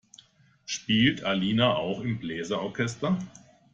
Spielt Alina auch im Bläser-Orchester?